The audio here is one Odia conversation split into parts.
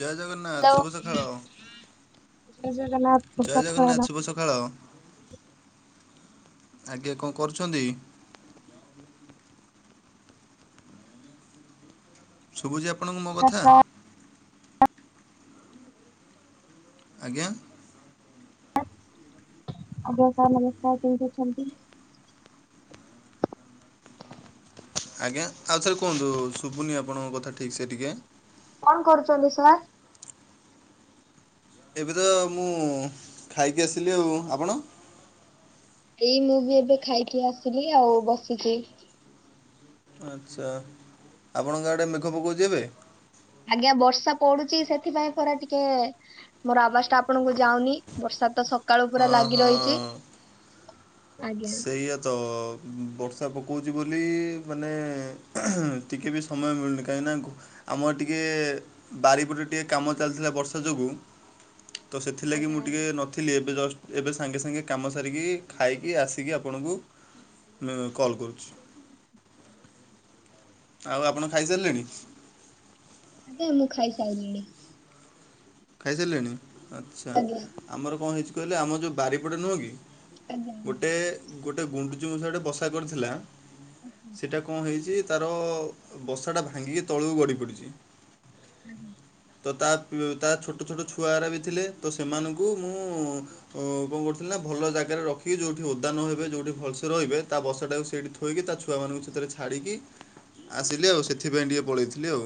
ଜୟ ଜଗନ୍ନା ହାଲୋ। ଜୟ ଜଗନ୍ନାଥ। ଶୁଭ ଜୟ ସକାଳ ଜଗନ୍ନାଥ ଶୁଭ ସକାଳ। ଆଜ୍ଞା କଣ କରୁଛନ୍ତି? ଶୁଭୁଛି ଆପଣଙ୍କୁ ମୋ ନମସ୍କାର କଥା? ସାର୍ ଆଜ୍ଞା। ଆଜ୍ଞ ସାର୍ ନମସ୍କାର। କେମିତି ଅଛନ୍ତି? ଆଜ୍ଞା ଆଉଥରେ କୁହନ୍ତୁ ଶୁଭୁନି ଆପଣଙ୍କ କଥା ଠିକ୍ ସେ ଟିକେ। କଣ କରୁଛନ୍ତି ସାର୍? ଏବେ ତ ମୁଁ ଖାଇକି ଆସିଲି ଆଉ। ଆପଣ? ଏଇ ମୁଁ ବି ଏବେ ଖାଇକି ଆସିଲି ଆଉ ବସିଛିି। ଆଚ୍ଛା ଆପଣଙ୍କ ଆଡେ ମେଘ ପକଉଛି ଏବେ? ଆଜ୍ଞା ବର୍ଷା ପଡୁଚି ସେଥିପାଇଁ ପରା ଟିକେ ମୋର ଆବାଜ ଟା ଆପଣଙ୍କୁ ଯାଉନି ବର୍ଷା ତ ସକାଳୁ ପୁରା ହଁ ଲାଗି ରହିଛି। ହଁ ଆଜ୍ଞା। ସେଇଆ ତ ବର୍ଷା ପକାଉଛି ବୋଲି ମାନେ ଟିକେ ବି ସମୟ ମିଳୁନି କାହିଁକିନା ଆମର ଟିକେ ବାରିପଟେ ଟିକେ କାମ ଚାଲିଥିଲା ବର୍ଷା ଯୋଗୁଁ। ତ ସେଥିଲାଗି ଆଜ୍ଞା ମୁଁ ଟିକେ ଆଜ୍ଞା ନଥିଲି ଏବେ ଜଷ୍ଟ ଏବେ ସାଙ୍ଗେ ସାଙ୍ଗେ କାମ ସାରିକି ଖାଇ କି ଆସିକି ଆପଣଙ୍କୁ କଲ୍ କରୁଛି। ଆଉ ଆପଣ ଖାଇସାରିଲେଣି? ଆଜ୍ଞା ମୁଁ ଖାଇ ସାରିଲିଣି। ଖାଇସାରିଲେଣି ଆଚ୍ଛା, ଆଜ୍ଞା ଆମର କଣ ହେଇଛି କହିଲେ ଆମ ଯୋଉ ବାରିପଟେ ନୁହଁ କି ଆଜ୍ଞା। ଗୋଟେ ଗୋଟେ ଗୁଣ୍ଡଚି ମୂଷା ଟେ ବସା କରିଥିଲା ଆଜ୍ଞା। ସେଟା କଣ ହେଇଛି ତାର ବସା ଟା ଭାଙ୍ଗିକି ତଳକୁ ଗଡ଼ି ପଡିଛି। ତ ତା ତା ଛୋଟ ଛୋଟ ଛୁଆରା ବି ଥିଲେ ତ ସେମାନଙ୍କୁ ମୁଁ କଣ କରୁଥିଲି ନା ଭଲ ଜାଗାରେ ରଖି ଯୋଉଠି ଓଦା ନ ହେବେ ଯୋଉଠି ଭଲସେ ରହିବେ ତା ବଷାକୁ ସେଇଠି ଥୋଇକି ତା ଛୁଆମାନଙ୍କୁ ସେଥିରେ ଛାଡ଼ିକି ଆସିଲି ଆଉ ସେଥିପାଇ ଟିକେ ପଳେଇଥିଲି ଆଉ।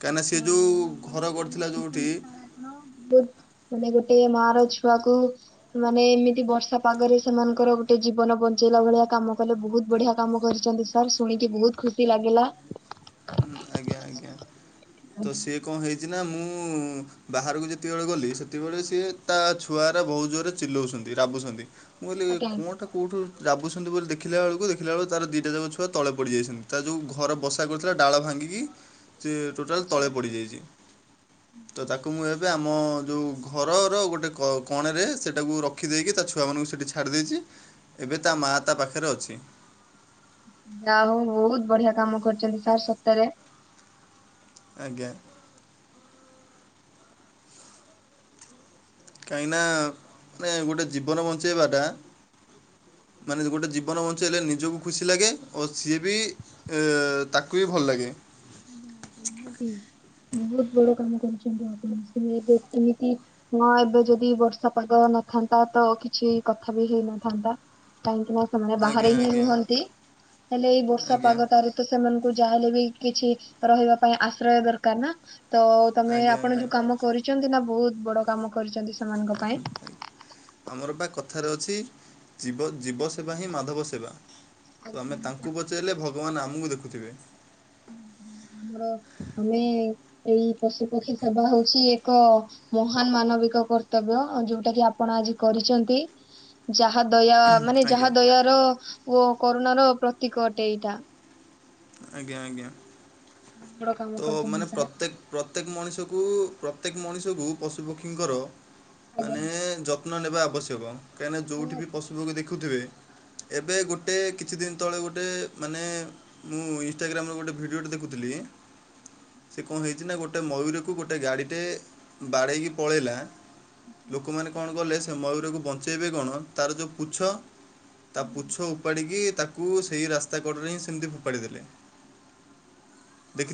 କାହିଁକିନା ସିଏ ଆପଣ ଯେଉଁ ବୋହୁତ ଘର ବଢିଆ କରିଥିଲା ଯେଉଁଠି କରିଛନ୍ତି ସାର ଆପଣ ବୋହୁତ ମାନେ ଗୋଟେ ମାର ଛୁଆକୁ ସେମାନେ ଏମିତି ବର୍ଷା ପାଗରେ ସେମାନଙ୍କର ଗୋଟେ ଜୀବନ ବଞ୍ଚେଇଲା ଭଳିଆ କାମ କଲେ ବୋହୁତ ବଢିଆ କାମ କରିଛନ୍ତି। ସାର୍ ଶୁଣିକି ବୋହୁତ୍ ଖୁସି ଲାଗିଲା। ହୁଁ ଆଜ୍ଞା ଆଜ୍ଞା। ଆଜ୍ଞା ତ ସିଏ କଣ ହେଇଛି ନା ମୁଁ ବାହାରକୁ ଯେତିକିବେଳେ ଗଲି ସେତିକିବେଳେ ସିଏ ତା ଛୁଆରା ବୋହୁତ୍ ଜୋରେ ଚିଲଉଛନ୍ତି ରାବୁଛନ୍ତି। ମୁଁ କଇଲି ଆଜ୍ଞା କୋଣ୍ଟା କେଉଠୁ ରାବୁଛନ୍ତି ବୋଲି ଦେଖିଲା ବେଳକୁ ଦେଖିଲା ବଳକୁ ତାର ଦିଇଟା ଯାକ ଛୁଆ ତଳେ ପଡ଼ିଯାଇଛନ୍ତି ତା ଯୋଉ ଘର ବସା କର ଡାଳ ଭାଙ୍ଗିକି ସିଏ ଟୋଟାଲ ଆଚ୍ଛା ତଳେ ଆଚ୍ଛା ପଡ଼ିଯାଇଛି। ତ ତାକୁ ମୁଁ ଆମ ଯୋଉ ଘରର ଗୋଟେ କଣରେ ସେଇଟାକୁ ରଖିଦେଇକି ତା ଛୁଆମାନଙ୍କୁ ସେଠି ଛାଡ଼ି ଦେଇଛି। ଏବେ ତା ମାଆ ତା ପାଖରେ ଅଛି। ଯାହା ହଉ ବୋହୁତ୍ ବଢିଆ କାମ କରିଛନ୍ତି ସାର୍ ସତରେ। ଆଜ୍ଞା। କାହିଁକିନା ନାଇଁ ଗୋଟେ ଜୀବନ ବଞ୍ଚେଇବାଟା ମାନେ ଗୋଟେ ଜୀବନ ବଞ୍ଚେଇଲେ ନିଜକୁ ଖୁସି ଲାଗେ ଓ ସିଏ ବି ଏ ତାକୁ ବି ଭଲ ଲାଗେ। [unintelligible] [unintelligible] ବଡ କାମ କରିଚନ୍ତି ଆପଣ [unintelligible] ଏବେ କିମିତି ନା ଏବେ ଯଦି ବର୍ଷା ପାଗ ନଥାନ୍ତା ତ କିଛି କଥା ବି ହେଇନଥାନ୍ତା। କାହିଁକି ନା ସେମା ଆଜ୍ଞା ବାହାରେ ହିଁ ଆଜ୍ଞା ରୁହନ୍ତି ହେଲେ ଏଇ ବର୍ଷା ଆଜ୍ଞା ପାଗଟାରେ ତ ସେମାନକୁ ଯାହା ହେଲେ ବି କିଛି ରହିବା ପାଇଁ ଆଶ୍ରୟ ଦରକାର ନା ତ ତମେ ଆଜ୍ଞା ଆପଣ ଆଜ୍ଞା ଯୋଉ କାମ କରିଚନ୍ତି ନା ବହୁତ ବଡ କାମ କରିଚନ୍ତି ସ୍ [unintelligible] ଆମର ବା କଥାରେ ଅଛି ଜୀବ ଜୀବ ସେବା ହିଁ ମାଧବ ସେବା। ତ ଆମେ ତାଙ୍କୁ ବଚେଇଲେ ଭଗବାନ ଆମକୁ ଦେଖୁଥିବେ। ଆମର ଆମେ ଏଇ ପଶୁପକ୍ଷୀ ସେବା ହଉଚି ଏକ ମହାନ୍ ମାନବିକ କର୍ତ୍ତବ୍ୟ ଯୋଉଟା କି ଆପଣ ଆଜି କରିଚନ୍ତି। ଯାହା ଦୟା ମାନେ ଆଜ୍ଞା ଯାହା ଦୟାର ଗୋ କରୋନା ର ପ୍ରତୀକ ଅଟେ ଏଇଟା। ଆଜ୍ଞା ଆଜ୍ଞା ବଡ କାମ ତ ମାନେ କରିଛନ୍ତି ସାର୍ ପ୍ରତେକ୍ ପ୍ରତେକ୍ ମଣିଷକୁ ପ୍ରତେକ୍ ମଣିଷକୁ ପଶୁପକ୍ଷୀଙ୍କର ଆଜ୍ଞା ମାନେ ଯ [unintelligible] ନ ନେବା ଆବଶ୍ୟକ କାହିଁନା ଯୋଉଠି ବି ନିହାତି। ପଶୁପକ୍ଷୀ ଦେଖୁଥିବେ ଏବେ ଗୋଟେ କିଛି ଦିନ୍ ତଳେ ଗୋଟେ ମାନେ ମୁଁ ଇନଷ୍ଟାଗ୍ରାମର ଗୋଟେ ଭିଡ଼ିଓଟେ ଦେଖୁଥିଲି। ସେ କଁ ହେଇଚି ନା ଗୋଟେ ମୟୂରକୁ ଗୋଟେ ଗାଡିଟେ ବାଡ଼େଇକି ପଳେଲା ଲୋକମାନେ କଣ କଲେ ସେ ମୟୂରକୁ ବଞ୍ଚେଇବେ କଣ ତାର ଯୋଉ ପୁଛ ତା ପୁଛ ଉପାଡିକି ତାକୁ ସେଇ ରାସ୍ତା କଡରେ ହିଁ ସେମିତି ପାଡ଼ିଦେଲେ।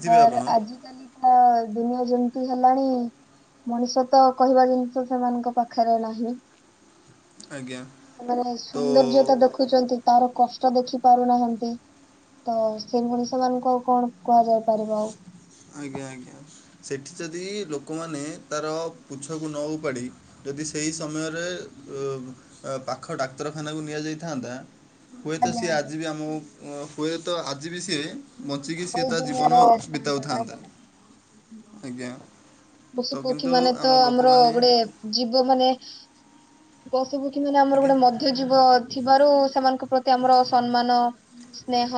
ମର୍ ଆଜିକାଲି [unintelligible] ଦୁନିଆ ଯେମିତି ହେଲାଣି ମଣିଷ ତ କହିବା ଜିନିଷ ସେମାନଙ୍କ ପାଖରେ ନାହିଁ। ଆଜ୍ଞା ସେମାନେ ତ ସୁନ୍ଦର୍ଯ୍ୟତା ଦେଖୁଚନ୍ତି ତାର କଷ୍ଟ ଦେଖି ପାରୁନାହାନ୍ତି। ତ ସେ ମଣିଷମାନଙ୍କୁ ଆଉ କଣ କୁହାଯାଇ ପାରିବ ଆଉ। ଆଜ୍ଞା ଆଜ୍ଞା। ସେଠି ଯଦି ଲୋକମାନେ ତାର ପୁଛକୁ ନ ଉପାଡ଼ି ଯଦି ସେଇ ସମୟରେ ଔ ପାଖ ଡାକ୍ତରଖାନାକୁ ନିଆଯାଇଥାନ୍ତା ହୁଏତ ଆଜ୍ଞା ସିଏ ଆଜ୍ଞା। ଆଜି ବି ଆମକୁ ଉୁଁ ହୁଏତ ଆଜି ବି ସିଏ ବଞ୍ଚିକି ଏଇ ସିଏ ତା ଜୀବନ ବିତାଉଥାନ୍ତା। [unintelligible] ଆଜ୍ଞା ତ ପଶୁ ପକ୍ଷୀ କିନ୍ତୁ ମାନେ ତ ଆମ ଆମର ଲୋକମାନେ ଗୋଟେ ଜୀବ ମାନେ ପଶୁ ପକ୍ଷୀ ମାନେ ଆମର ଆଜ୍ଞା ଗୋଟେ ମ ଥେ ଜୀବ ଥିବାରୁ ସେମାନଙ୍କ ପ୍ର ତି ଆମର ସନ୍‌ମାନ, ସ୍ନେହ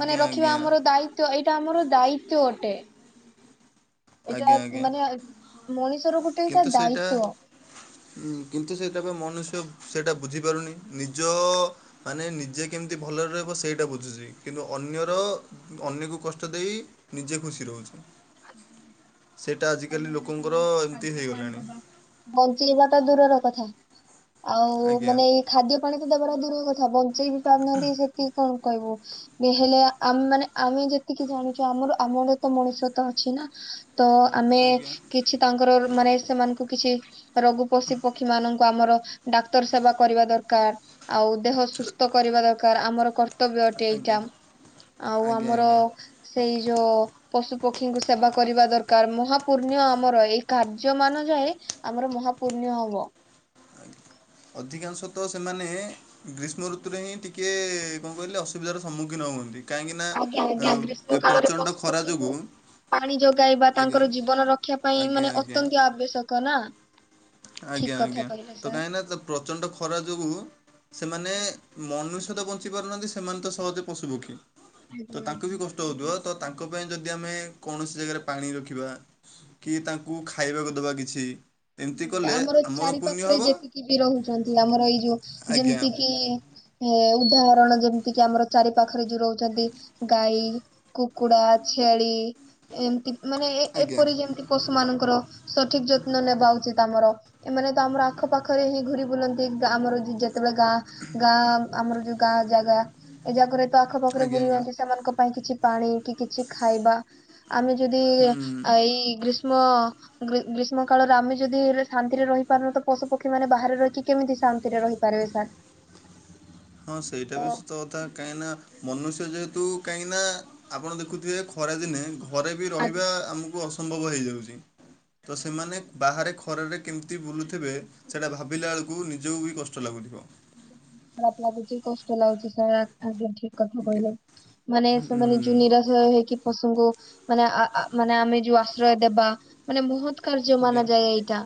ମାନେ ରଖିବା ଆଜ୍ଞା ଆମର ଦାୟିତ୍ଵ ଏଇଟା ଆମର ଦାୟିତ୍ଵ ଅଟେ। ଏଇଟା ଆଜ୍ଞା ଆ ଆଜ୍ଞା ମାନେ ମଣିଷର ଗୋଟେ ଏଟା ଦାୟିତ୍ୱ। ଉୁଁ କିନ୍ତୁ ସେଟା ପା ମନୁଷ୍ୟ ସେଟା ବୁଝି ପାରୁନି ନିଜ ମାନେ ନିଜେ କେମିତି ଭଲରେ ରହିବ ସେଇଟା ବୁଝୁଚି। କିନ୍ତୁ ଅନ୍ୟର ଅନ୍ୟକୁ କଷ୍ଟ ଦେଇ ନିଜେ ଖୁସି ରହୁଚି। [unintelligible] ସେଟା ଆଜି କାଲି ସମୟରେ ଲୋକଙ୍କର ସେମାନଙ୍କୁ ଏମିତି ଖାଦ୍ୟ ପାଣି ହେଇଗଲାଣି। ଦେବା। ବଞ୍ଚେଇବା ଟା ଦୂରର କଥା ଆଉ ଆଜ୍ଞା ମାନେ ଏଇ ଖାଦ୍ୟ ପାଣି ତ ଦେବାଟା ଦୂରର କଥା ବ ଞ୍ଚେଇବି ପାରୁନାହାନ୍ତି ସେତିକି କଣ କହିବୁ [unintelligible] ହେଲେ ଆମ୍ ମାନେ ଆମେ ଯେତିକି ଜାଣିଛୁ ଆମର ଆମର ତ ମଣିଷତ୍ଵ ଅଛି ନା। ତ ଆମେ ଆଜ୍ଞା କିଛି ତାଙ୍କର ମାନେ ସେମାନ୍‌କୁ କିଛି ରଗୁ ପଶି, ପକ୍ଷୀ ମାନଙ୍କୁ ଆମର ଡାକ୍ତର ସେବା କରିବା ଦରକାର୍। ଆଉ ଦେହ ସୁସ୍ତ କରିବା ଦକାର। ଆମର କର୍ ବ୍ୟ ଅଟେ ଏଇଟା। ଆଜ୍ଞା ଆଉ ଆଜ୍ଞା ଆମର ଆଜ୍ଞା ସେଇ ଯୋଉ ପଶୁ ପକ୍ଷୀଙ୍କୁ ସେବା କରିବା ଦରକାର। ମହା ପୁଣ୍ୟ ଆମର ଏଇ କାର୍ଯ୍ୟ ମାନ ଯାଏ ଆମର ମହା ପୁଣ୍ୟ ହବ। ଅଧିକାଂଶ ତ ସେମାନେ ଗ୍ରୀଷ୍ମ ଋତୁରେ ହିଁ ଟିକେ କଣ କହିଲେ ଅସୁବିଧାର ସମ୍ମୁଖୀନ ହୁଅନ୍ତି। କାହିଁକି ନା ଆଜ୍ଞା ଏ ଆଜ୍ଞା ଗ୍ରୀଷ୍ମ ଆଉ କାଳରେ ପ୍ରଚଣ୍ଡ ପଶୁ ଖରା ପକ୍ଷୀଙ୍କୁ ଯୋଗୁଁ। ପାଣି ଯୋଗାଇବା। ଆଜ୍ଞା ତାଙ୍କର ଜୀବନ ରକ୍ଷା ପାଇଁ ଆଜ୍ଞା ମାନେ ଆଜ୍ଞା ଅତନ୍ତ୍ୟ ଆବଶ୍ୟକ ନା। ଠିକ ଆଜ୍ଞା। କଥା ଆଜ୍ଞା। କହିଲେ ତ ସାର୍। କାହିଁକି ନା ଯୋଉ ପ୍ରଚଣ୍ଡ ଖରା ଯୋଗୁ ସେମାନେ ମନୁଷ୍ୟ ତ ବଞ୍ଚି ପାରୁନାହାନ୍ତି। ସେମାନେ ତ ସହଜେ ପଶୁ, ପକ୍ଷୀ। ଆଜ୍ଞା ତ ତାଙ୍କୁ ଆଜ୍ଞା। ବି କଷ୍ଟ ହୋଉଥିବ। ତ ତାଙ୍କ ପାଇଁ ଯଦି ଆମେ କୌଣସି ଜାଗାରେ ପାଣି ରଖିବା। କି ତାଙ୍କୁ ଖାଇବାକୁ ଦେବା କିଛି। ଏମିତି କଲେ ଆମର ଚାରି ପୁଣ୍ୟ ପାଖରେ ହେବ ଯେତିକି ବି ରହୁଛନ୍ତି। ଆମର ଏଇ ଯୋଉ ଆଜ୍ଞା ଯେମିତି କିି, ଏ ଉଦାହରଣ ଯେମିତି କି, ଆମର ଚାରି ପାଖରେ ଯୋଉ ରହୁଛନ୍ତି। ଗାଈ, କୁକୁଡ଼ା, ଛେଳି ଏମିତି। ମାନେ ଏ ଏ ଆଜ୍ଞା ପରି ଯେମିତି ପଶୁ ମାନଙ୍କର ସଠିକ୍ ଯତ୍ନ ନେବା ଉ ଚିତ୍ ଆମର। ଏମାନେ ତ ଆମର ଆଖପାଖରେ ହିଁ ଘୁରି ବୁଲନ୍ତି। ଆମର ଯେ ଯେ ଯେତେବେଳେ ଗାଁ। ଗାଁ ଆମର ଯୋଉ ଗାଁ ଜାଗା। ଏ ଯାକରେ ତ ଆଖ ପାଖରେ ଆଜ୍ଞା ଆଜ୍ଞା ବୁଲନ୍ତି। ସେମାନଙ୍କ ପାଇଁ କିଛି ପାଣି, କି କିଛି ଖାଇବା। ଆମେ ଯଦି ଏ ହୁଁ। ଇଏ ଆ ଏଇ ଗ୍ରୀଷ୍ମ ଗ୍ରୀ ଗ୍ରୀଷ୍ମ କାଳରେ ଆମେ- ଯଦି ଇଏ ରେ ଶାନ୍ତିରେ ରହି ପାରୁନୁ। ତ ପଶୁ ପକ୍ଷୀ ମାନେ ବାହାରେ ରହିକି କେମିତି ଶାନ୍ତିରେ ରହିପାରିବେ ସାର୍। ହଁ ସେଇଟା ତ ବି ସତକଥା। କଥା। କାହିଁକି ନା ମନୁଷ୍ୟ ଯେହେତୁ କାହିଁକି ନା ଆପଣ ଦେଖୁଥିବେ ଖରା ଦିନେ ଘରେ ବି ଆଜି ରହିବା ଆମକୁ ଅସମ୍ଭବ ହେଇ ଯାଉଛି। ତ ସେମାନେ ବାହାରେ ଖରରେ କେମିତି ବୁଲୁ ଥିବେ। ସେଟା ଭାବିଲା ବେଳକୁ ନିଜକୁ ବି କଷ୍ଟ ଲାଗୁଥିବ। ଖରାପ୍ ଲାଗୁଚି। କଷ୍ଟ ଲାଗୁଛି ସାର୍। ଆଜ୍ଞା। ଠିକ୍ କଥା ଆଜ୍ଞା କହିଲେ। ମାନେ ସେମାନେ ହୁଁ ଯୋଉ ନିରାଶ ହେଇକି ପଶୁଙ୍କୁ ମାନେ ଆ ଆ ମାନେ ଆମେ ଯୋଉ ଆଶ୍ରୟ ଦେବା। ମାନେ ବୋହୁତ୍ କାର୍ଯ୍ୟ ଆଜ୍ଞା ମାନା ଯାଏ ଏଇଟା।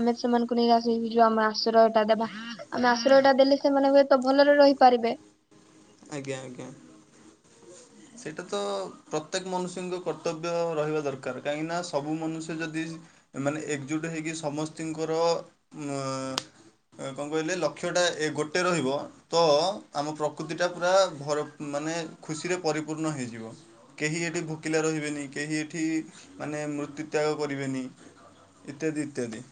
ଆମେ ସେମାନଙ୍କୁ ନେଇଆସୁ [unintelligible] ଆଶ୍ରୟ ଟା ଦଵା ଆମେ ଆଶ୍ରୟ ଆଶ୍ରୟ ଟା ଦେଲେ। ସେମାନେ ହୁଏତ ଭଲରେ ରହିପାରିବେ। ଆଜ୍ଞା ଆଜ୍ଞା। ସେଇଟା ତ ପ୍ରତ୍ୟେକ ମନୁଷ୍ୟଙ୍କ କର୍ତ୍ତବ୍ୟ ରହିବା ଦରକାର। କାହିଁକି ନା ସବୁ ମନୁଷ୍ୟ ଯଦି ଏମାନେ ଏକ୍ ଜୁଟ୍ ହେଇକି। ସମସ୍ତିଙ୍କର ମ୍ ଆଁ କଣ କହିଲେ ଲକ୍ଷ୍ୟଟା ଏ ଗୋଟେ ରହିବ। ତ ଆମ ପ୍ରକୃତି ପ୍ରକୃତିଟା ପୁରା ଭ ମାନେ ଖୁସିରେ ପରିପୂର୍ଣ୍ଣ ହେଇଯିବ। କେହି ଏଠି ଭୋକିଲା ରହିବେନି କେହି ଏଠି ମାନେ ମୃତ୍ୟୁ ତ୍ୟାଗ କରିବେନି। ଇତ୍ୟାଦି ଇତ୍ୟାଦି।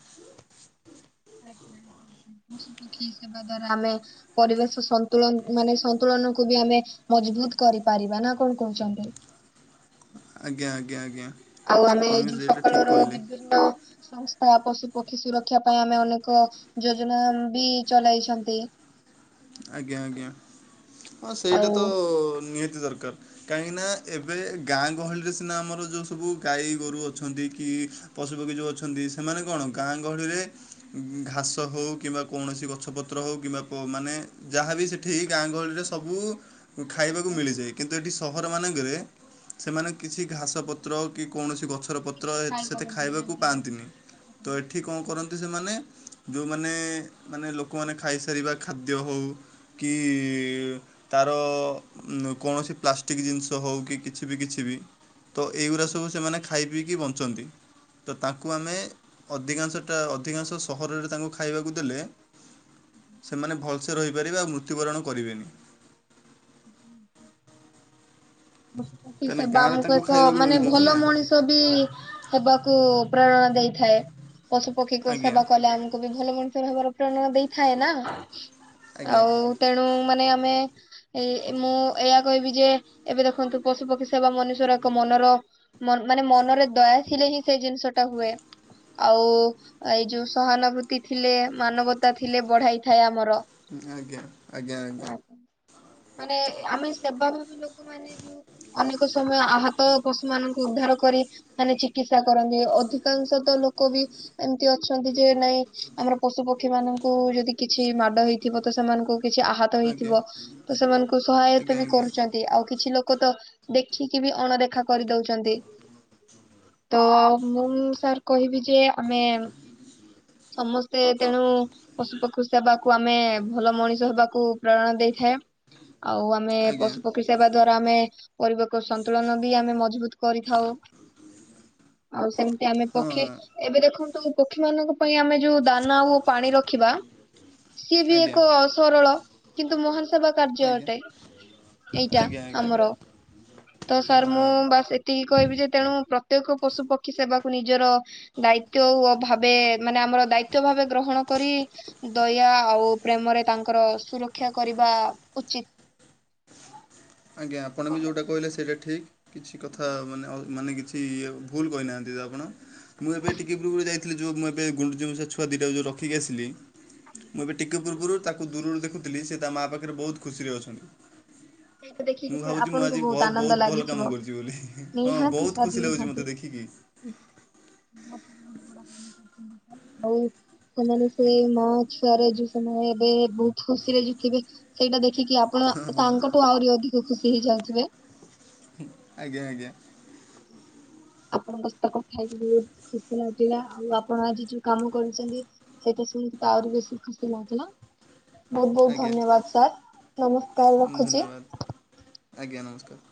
ଆଜ୍ଞା ପଶୁ ପକ୍ଷୀ ସେବା ଦ୍ଵାରା ଆମେ ପରିବେଶ ସନ୍ତୁଳନ ମାନେ ସନ୍ତୁଳନକୁୁ ବି ଆମେ ମଜବୁତ କରିପାରିବା ନା କଣ କହୁଛନ୍ତି? ଆଜ୍ଞା ଆଜ୍ଞା ଆଜ୍ଞା। ଆଉ ଆମେ ଆପଣ ବି ଯୋଉ ସେଇଟା ସକାଳ ଠିକ୍ ର କହିଲେ ବିଭିନ୍ନ ସଂସ୍ଥା ପଶୁପକ୍ଷୀ ସୁରକ୍ଷା ପାଇଁ ଆମେ ଅନେକ ଯୋଜନା ବି ଚଲାଇଛନ୍ତି। ଆଜ୍ଞା ଆଜ୍ଞା ହଁ ସେଇଟା ଆଉ ତ ନିହାତି ଦର୍କାର୍। କାହିଁକି ନା ଏବେ ଗାଁ ଗହଳିରେ ସିନା ଆମର ଯୋଉ ସବୁ ଗାଈ ଗୋରୁ ଅଛନ୍ତି କି ପଶୁପକ୍ଷୀ ଯଉ ଅଛନ୍ତି ସେମାନେ କଣ ଗାଁ ଗହଳିରେ ଘାସ ହଉ କିମ୍ବା କୌଣସି ଗଛ ପତ୍ର ହଉ କିମ୍ବା କୋ ମାନେ ଯାହାବି ସେଠି ଗାଁ ଗହଳିରେ ସବୁ ଖାଇବାକୁ ମିଳିଯାଏ। କିନ୍ତୁ ଏଠି ସହର ମାନେଙ୍କେରେ ସେମାନେ କିଛି ଘାସ ପତ୍ର କି କୌଣସି ଗଛ୍ ର ପତ୍ର କିଛି ସେତେ ଖାଇପାରନ୍ତିନି ଖାଇବାକୁ ଆଜ୍ଞା ଆଜ୍ଞା ପାଆନ୍ତିନି ଠିକ କଥା ତ କହିଲେ। ଏଠି ଆପଣ। କଂ କରନ୍ ନ୍ତି ସେମାନେ ଯୋଉମାନେ ମାନେ ଲୋକମାନେ ଖାଇସାରିବା ଖାଦ୍ୟ ହଉ କି ତାର କୌଣସି ପ୍ଲାଷ୍ଟିକ୍ ଜିନ୍ଷ ହଉ କି କିଛି ବି କିଛି ବି। ତ ଏଇଗୁରା ସବୁ ସେମାନେ ଖାଇ ପିଇକି ବଞ୍ଚନ୍ତି। ତ ତାଙ୍କୁ ଆମେ ଅଧିକାଂଶଟା ଅଧିକାଂଶ ସହରରେ ତାଙ୍କୁ ଖାଇବାକୁ ଦେଲେ। ସେମାନେ ଭଲ୍ସେ ରହିପାରିବେ ଆଉ ମୃତ୍ୟୁବରଣ କରିବେନି। ପଶପକ୍ଷୀ କାହିଁକିନା ସେବା ଗାଁରେ ଆମକୁ ତାଙ୍କୁ ଏକ ଖାଇବାକୁ ମାନେ ମିଳିଯାଉଛି ଭଲ ନା ମଣିଷ ବି ହେବାକୁ ପ୍ରେରଣା ଦେଇଥାଏ ପଶୁ ପକ୍ଷୀ କ ଆଜ୍ଞା ସେବା କଲେ ଆମେ ବି ଭଲ ମଣିଷ ଭାବରେ ପ୍ରେରଣା ଦେଇଥାଏ ନା ଆଜ୍ଞା ଆଉ ତେଣୁ ମାନେ ଆମେ ମୁଁ ଏୟା କହିବି ଯେ ଏବେ ଦେଖନ୍ତୁ ପଶୁ ପକ୍ଷୀ ସେବା ମନୁଷ୍ଯର ଏକ ମନର ମନ୍ ମାନେ ମନରେ ଦୟା ଥିଲେ ହିଁ ସେ ଜିନ୍ଷ ଟା ହୁଏ। ଆଉ ଏଇ ଯୋଉ ସହାନୁଭୂତି ଥିଲେ ମାନବତା ଥିଲେ ବଢାଇ ଥାଏ ଆମର। ହଁ ଆଜ୍ଞା ଆଜ୍ଞା ଆଜ୍ଞା। ମାନେ ଆମେ ସେବା ଭାବି ଲୋକମାନେ ଅନେକ ସମୟ ଆହତ ପଶୁ ମାନଙ୍କୁ ଉଦ୍ଧାର କରି। ମାନେ ଚିକିତ୍ସା କରନ୍ତି ଅଧିକାଂଶ ତ ଲୋକ ବି ଏମ୍ତି ଅଛନ୍ତି ଯେ ନାଇଁ ଆମର ପଶୁପକ୍ଷୀ ମାନଙ୍କୁ ଯଦି କିଛି ମାଡ ହେଇଥିବ ତ ସେମାନଙ୍କୁ କିଛି ଆହା ତ ଆଜ୍ଞା ହେଇଥିବ ତ ସେମାନଙ୍କୁ ଆଜ୍ଞା ସହାୟତା ଆଜ୍ଞା ବି ଆଜ୍ଞା କରୁଚ ଆଉ କିଛି ଲୋକ ତ ଦେଖିକି ବି ଅଣଦେଖା କରିଦଉଚନ୍ତି। ତୋ ମୁଁ ସାର୍ କହିବି ଯେ ଆମେ ସମସ୍ତେ ତେଣୁ ପଶୁପକ୍ଷ୍ ଖୁ ସେବାକୁ ଆମେ ଭଲ ମଣିଷ ହେବାକୁ ପ୍ରେରଣା ଦେଇଥାଏ ଆଉ ଆମେ ଆଜ୍ଞା ପଶୁ ପ କ୍ଷୀ ସେବା ଦ୍ଵାରା ଆମେ ପରିବକୁ ସନ୍ତୁଳନ ବି ଆମେ ମଜ୍ବୁତ୍ କରିଥାଉ। ଆଉ ସେମ୍ତି ଆମେ ହଁ ପକ୍ଷୀ ଏବେ ଦେଖନ୍ତୁ ପକ୍ଷୀ ମାନଙ୍କ ପାଇଁ ଆମେ ଯୋଉ ଦାନା ଓ ପାଣି ରଖିବା ସିଏ ବି ଆଜ୍ଞା ଏକ ସରଳ କିନ୍ତୁ ମହାନ ସେବା କାର୍ଯ୍ୟ ଆଜ୍ଞା ଅଟେ ଏଇଟା ଆଜ୍ଞା ଆଜ୍ଞା ଆମର ତ ସାର୍ ମୁଁ ହଁ ବାସ୍ ଏ ତିକି କହିବି ଯେ ତେଣୁ ପ୍ରତ୍ୟେକ ପଶୁ ପକ୍ଷୀ ସେବାକୁ ନିଜର ଦାୟିତ୍ବ ଭାବେ ମାନେ ଆମର ଦାୟିତ୍ବ ଭାବେ ଗ୍ରହଣ କରି ଦୟା ଆଉ ପ୍ରେମରେ ତାଙ୍କର ସୁରକ୍ଷା କରି ବା ଉଚିତ୍। ଆଜ୍ଞା ଆପଣ ବି ଯେଉଁଟା କହିଲେ ସେଇଟା ଠିକ୍ କିଛି କଥା ମାନେ ଅଲ ମାନେ କିଛି ଇ ଭୁଲ୍ କହିନାହାନ୍ତି ତ ଆପଣ। ମୁଁ ଏବେ ଟିକେ ପୂର୍ବରୁ ଯାଇଥିଲି ଯଉ ମୁଁ ଏବେ ଗୁଣ୍ଡୁଚି ମୂଷା ଛଆ ଦିଟାକୁ ଯୋଉ ରଖିକି ଆସିଲି। ମୁଁ ଏବେ ଟିକେପୁର୍ବୁରୁ ତାକୁ ଦୂରରୁ ଦେଖୁଥିଲି ସେ ତା ମା ପାଖରେ ବୋହୁତ୍ ଖୁସିରେ ଅଛନ୍ତି। ସେଇଟା ଦେଖିକି ମୁଁ ସାର୍ ଭାବୁଛି ମୁଁ ଆପଣଙ୍କୁ ଆଜି ବହୁତ ବ ବ ଆନନ୍ଦ ବୋହୁତ୍ ଭଲ ଲାଗିଥିବ କାମ କର୍ଚି ବୋଲି ହଁ ନିହାତି ବୋହୁତ୍ ସାର୍ ଖୁସି ଲାଗୁଛି ନିହାତି। ମତେ ଦେଖିକି। ହୁଁ। ଆଉ ସେମାନେ ସେଇ ମା ଛୁଆରେ ଯୋଉ ସମୟ ଏବେ ବୋହୁତ ଖୁସି ରେ ଯିତିବେ ସେଇଟା ଦେଖିକି ଆ ତ ହଁ ହଁ ତାଙ୍କଠୁ ଆହୁରି ଅଧିକ ଖୁସି ହେଇଯାଉଥିବେ। ଆଜ୍ଞା ଆଜ୍ଞା। [unintelligible] ଆପଣଙ୍କ ସହିତ କଥା ହେଇକି ବହୁତ ଖୁସି ଲାଗଥିଲା ଆଉ ଆପଣ ଆଜି ଯୋଉ କାମ କରିଛନ୍ତି। ସେଇଟା ଶୁଣିକି ଆହୁରି ବେଶୀ ଖୁସି ଲାଗିଲା। ବହୁତ ବହୁତ ଆଜ୍ଞା ଧନ୍ୟବାଦ ସାର୍ ନମସ୍କାର ରଖୁଛି। ଧନ୍ୟବାଦ ଆଜ୍ଞା ନମସ୍କାର।